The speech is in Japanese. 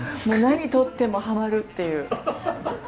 もう何取ってもハマるっていう。